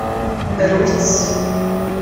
Terwi-tt.